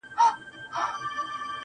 ژوند له زحمت نه ښه کېږي.